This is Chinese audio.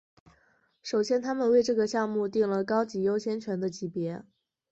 首先他们为这个项目订了高级优先权的级别。